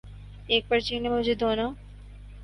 ایک پرچی نے مجھے دونوں